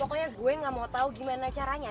re pokoknya gue gak mau tau gimana caranya